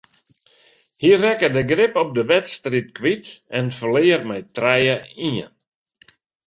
Hy rekke de grip op de wedstryd kwyt en ferlear mei trije ien.